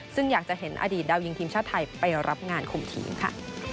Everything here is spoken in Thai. ซึ่งอยากจะเห็นอดีตดาวยิงทีมชาติไทยไปรับงานคุมทีมค่ะ